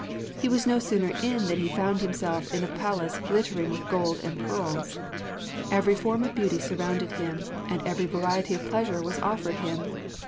He was no sooner in than he found himself in a palace glittering with gold and pearls. Every form of beauty surrounded him, and every variety of pleasure was offered him.